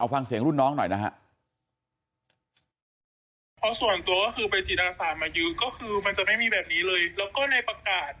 ฟังเสียงรุ่นน้องหน่อยนะฮะ